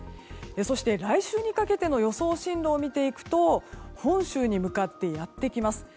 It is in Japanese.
そして、来週にかけての予想進路を見ていくと本州に向かってやってきます。